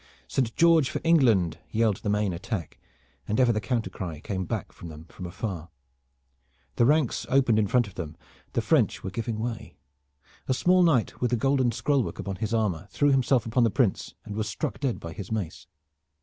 "Saint George for England!" yelled the main attack, and ever the counter cry came back to them from afar. The ranks opened in front of them. The French were giving way. A small knight with golden scroll work upon his armor threw himself upon the Prince and was struck dead by his mace.